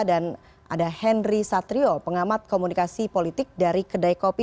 dan ada henry satrio pengamat komunikasi politik dari kedai kopi